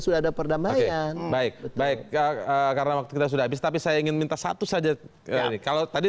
sudah ada perdamaian baik baik karena waktu kita sudah habis tapi saya ingin minta satu saja kalau tadi